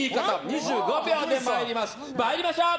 ２５秒で参りましょう。